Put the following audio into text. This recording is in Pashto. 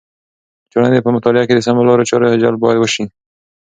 د ټولنې په مطالعه کې د سمو لارو چارو جلب باید وسي.